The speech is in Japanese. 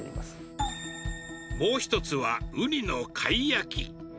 もう１つはウニの貝焼き。